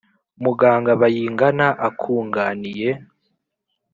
Muganga Bayingana akunganiye